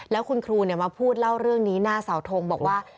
แล้วคุณครูมาพูดเล่าเรื่องนี้หน้าเสาทงบอกว่า